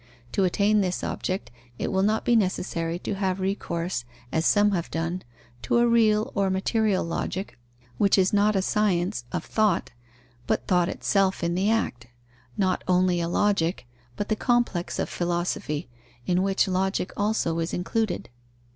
To attain this object, it will not be necessary to have recourse, as some have done, to a real or material Logic, which is not a science of thought, but thought itself in the act; not only a Logic, but the complex of Philosophy, in which Logic also is included.